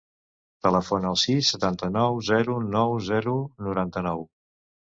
Telefona al sis, setanta-nou, zero, nou, zero, noranta-nou.